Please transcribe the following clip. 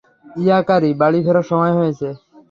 ইয়াকারি, বাড়ি ফেরার সময় হয়েছে।